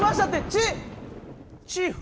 チチーフ？